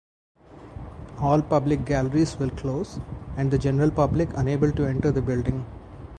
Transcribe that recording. All public galleries will close and the general public unable to enter the building.